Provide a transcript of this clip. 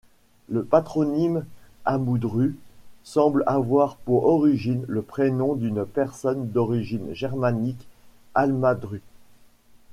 Le patronyme Amoudru semble avoir pour origine le prénom d'une personne d'origine germanique, Amaldrud.